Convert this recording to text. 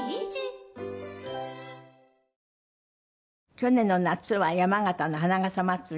去年の夏は山形の花笠まつり。